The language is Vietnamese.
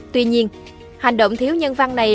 tuy nhiên hành động thiếu nhân văn này